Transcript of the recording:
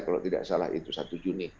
kalau tidak salah itu satu juni